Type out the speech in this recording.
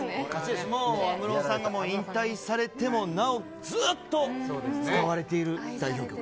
安室さんがもう引退されてもなおずっと使われている代表曲。